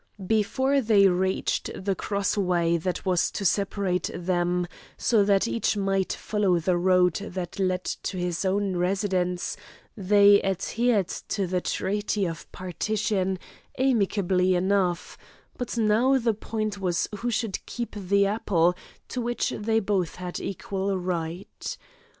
Before they reached the crossway that was to separate them, so that each might follow the road that led to his own residence, they adhered to the treaty of partition amicably enough, but now the point was who should keep the apple, to which they both had equal right.